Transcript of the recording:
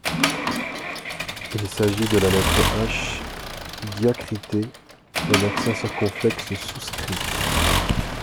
Il s’agit de la lettre H diacritée d’un accent circonflexe souscrit.